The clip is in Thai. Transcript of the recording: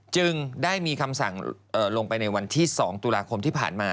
จึงได้มีคำสั่งลงไปในวันที่๒ตุลาคมที่ผ่านมา